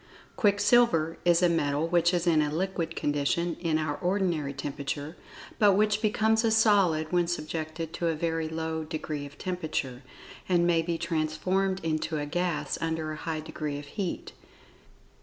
Quicksilver is a metal which is in a liquid condition in our ordinary temperature, but which becomes a solid when subjected to a very low degree of temperature, and may be transformed into a gas, under a high degree of heat.